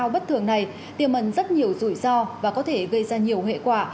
trong bất thường này tiềm mẩn rất nhiều rủi ro và có thể gây ra nhiều hệ quả